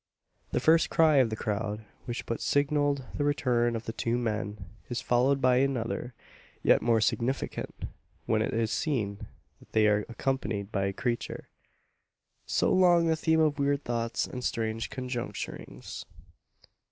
The first cry of the crowd, which but signalled the return of the two men, is followed by another, yet more significant when it is seen that they are accompanied by a creature, so long the theme of weird thoughts, and strange conjecturings.